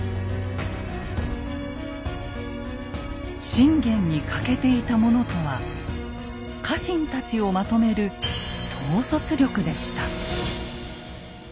信玄に欠けていたものとは家臣たちをまとめる「統率力」でした。